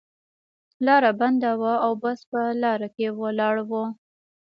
لاره بنده وه او بس په لار کې ولاړ و.